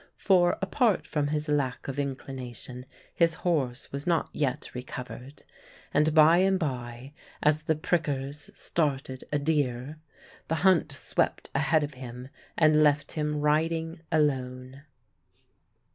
For, apart from his lack of inclination, his horse was not yet recovered; and by and by, as the prickers started a deer, the hunt swept ahead of him and left him riding alone.